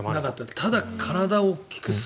ただ体を大きくさせる